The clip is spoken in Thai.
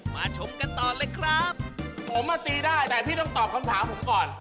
ผมอะตีได้แต่พี่ต้องตอบคำถามผมก่อน